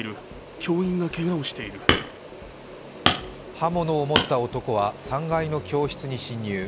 刃物を持った男は３階の教室に侵入。